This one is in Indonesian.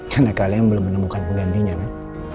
karena kalian belum menemukan penggantinya kan